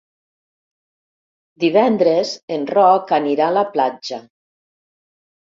Divendres en Roc anirà a la platja.